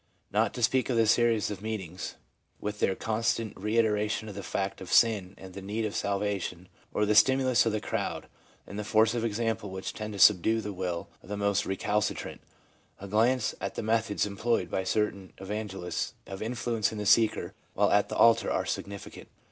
Not to speak of the series of meetings, with their constant reiteration of the fact of sin and the need of salvation, or of the stimulus of the crowd and the force of example which tend to subdue the will of the most recalcitrant, a glance at the methods employed by certain evangelists of influencing the 'seeker* while at the altar are signifi cant.